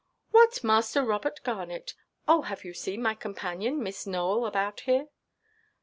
"What, Master Robert Garnet! Oh, have you seen my companion, Miss Nowell, about here?"